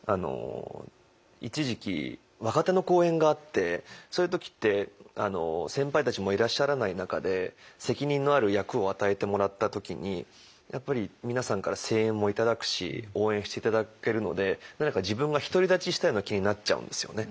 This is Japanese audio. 一時期若手の公演があってそういう時って先輩たちもいらっしゃらない中で責任のある役を与えてもらった時にやっぱり皆さんから声援も頂くし応援して頂けるので何か自分が独り立ちしたような気になっちゃうんですよね。